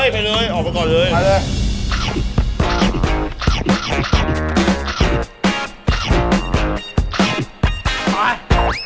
ไปเลยออกไปก่อนเลย